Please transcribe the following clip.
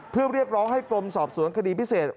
เพื่อเรียกร้องให้กรมสอบสวนคดีพิเศษ